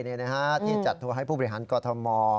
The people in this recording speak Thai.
ที่จัดทัวร์ให้ผู้บริหารกอทม